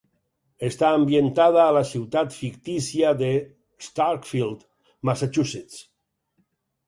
Està ambientada a la ciutat fictícia de Starkfield, Massachusetts.